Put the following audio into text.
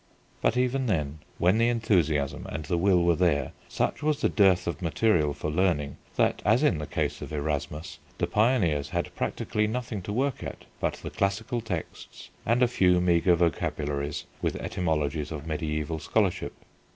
But even then, when the enthusiasm and the will were there, such was the dearth of material for learning that, as in the case of Erasmus, the pioneers had practically nothing to work at but the classical texts and a few meagre vocabularies with etymologies of mediæval scholarship.